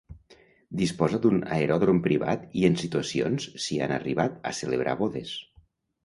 Disposa d'un aeròdrom privat i en situacions s'hi han arribat a celebrar bodes.